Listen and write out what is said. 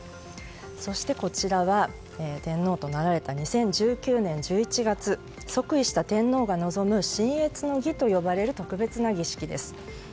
そして、こちらは天皇となられた２０１９年１１月即位した天皇が臨む親謁の儀と呼ばれる特別な儀式です。